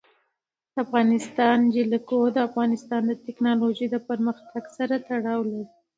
د افغانستان جلکو د افغانستان د تکنالوژۍ پرمختګ سره تړاو لري.